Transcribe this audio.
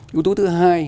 yếu tố thứ hai